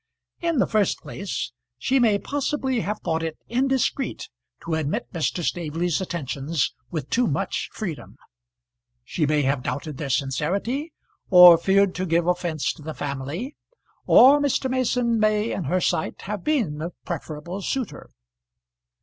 In the first place she may possibly have thought it indiscreet to admit Mr. Staveley's attentions with too much freedom. She may have doubted their sincerity; or feared to give offence to the family, or Mr. Mason may in her sight have been the preferable suitor.